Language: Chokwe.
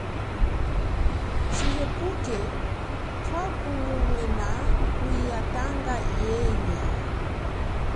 Tshihepuke twakumumwena kuyitanga yenyi.